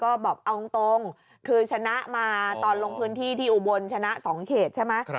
ก็บอกเอาตรงคือชนะมาตอนลงพื้นที่ที่อุบลชนะ๒เขตใช่ไหม